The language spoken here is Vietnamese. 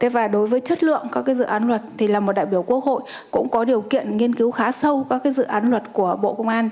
và đối với chất lượng các dự án luật thì là một đại biểu quốc hội cũng có điều kiện nghiên cứu khá sâu các dự án luật của bộ công an